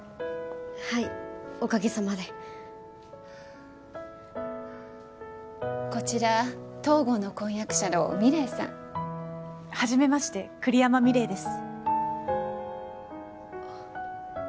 はいおかげさまでこちら東郷の婚約者の美玲さんはじめまして栗山美玲ですあっ